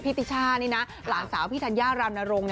พี่ปิชานี่ล่าสาวพี่ทัญญารามนรงส์